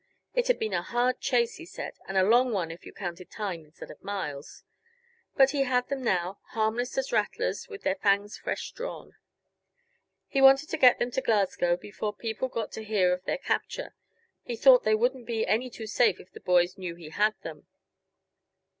It had been a hard chase, he said, and a long one if you counted time instead of miles. But he had them now, harmless as rattlers with their fangs fresh drawn. He wanted to get them to Glasgow before people got to hear of their capture; he thought they wouldn't be any too safe if the boys knew he had them.